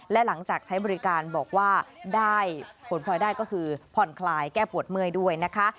และหลังจากใช้บริการบอกว่าได้ผลพลอยได้ก็คือผ่อนคลายแก้ปวดเมื่อยด้วยนะคะ